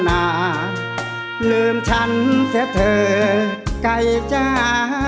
จงลืมฉันเสียเถิดใกล้จ้า